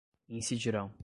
incidirão